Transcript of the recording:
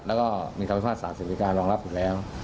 แล้วก็มีธรรมชาติศาสตร์เสียงพิการรองรับอยู่แล้ว